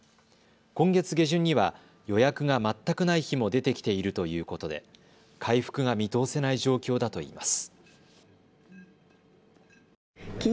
今月下旬には予約が全くない日も出てきているということで回復が見通せない状況だといいます。